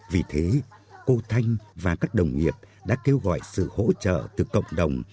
vì thế cô thanh và các đồng nghiệp đã kêu gọi sự hỗ trợ từ cộng đồng